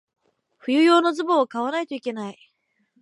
冬用のズボンを買わないといけない。